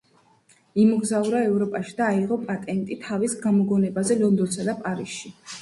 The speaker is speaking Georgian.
იმოგზაურა ევროპაში და აიღო პატენტი თავის გამოგონებაზე ლონდონსა და პარიზში.